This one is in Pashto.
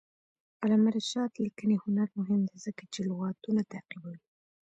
د علامه رشاد لیکنی هنر مهم دی ځکه چې لغتونه تعقیبوي.